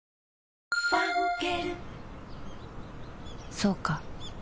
そうか